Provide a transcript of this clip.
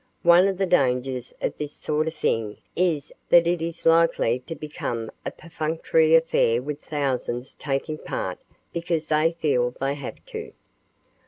One of the dangers of this sort of thing is that it is likely to become a perfunctory affair with thousands taking part because they feel they have to.